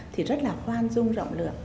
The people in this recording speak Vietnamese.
thì rất là khoan dung rộng lượng